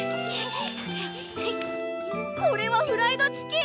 これはフライドチキン！